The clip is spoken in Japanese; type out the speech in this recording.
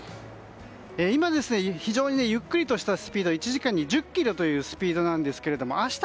今、非常にゆっくりとしたスピード１時間に１０キロというスピードなんですけど明日